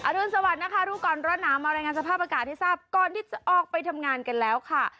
รุนสวัสดินะคะรู้ก่อนร้อนหนาวมารายงานสภาพอากาศให้ทราบก่อนที่จะออกไปทำงานกันแล้วค่ะ